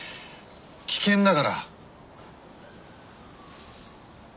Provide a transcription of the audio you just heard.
危険だから！